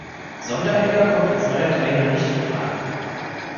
Sonderegger kommt als neuer Trainer nicht infrage.